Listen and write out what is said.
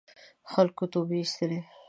خلکو توبې اېستلې.